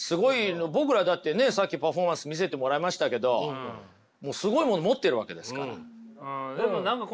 僕らだってねさっきパフォーマンス見せてもらいましたけどもうすごいもの持ってるわけですから。